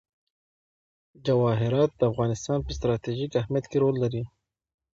جواهرات د افغانستان په ستراتیژیک اهمیت کې رول لري.